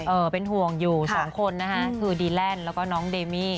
เป็นห่วงอยู่สองคนนะคะคือดีแลนด์แล้วก็น้องเดมี่